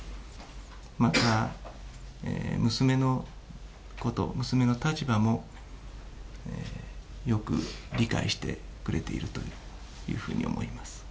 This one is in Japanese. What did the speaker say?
また娘のこと、娘の立場も、よく理解してくれているというふうに思います。